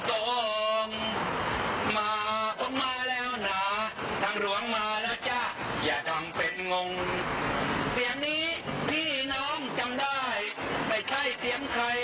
รถใหญ่นั่นไปทางซ้าย